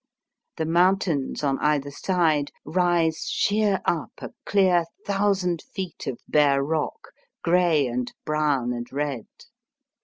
The mountains on either side rise sheer up a clear thousand feet of bare rock, grey and brown and red.